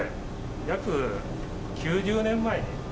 約９０年前に。